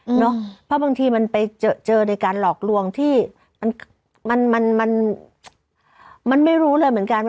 เพราะบางทีมันไปเจอเจอในการหลอกลวงที่มันมันมันไม่รู้เลยเหมือนกันว่า